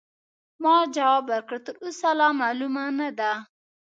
ما ځواب ورکړ: تراوسه لا معلومه نه ده.